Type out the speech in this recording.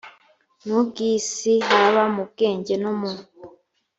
n ubw isi haba mu bwenge no mu